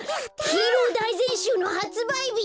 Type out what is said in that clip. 「ヒーローだいぜんしゅう」のはつばいびだ！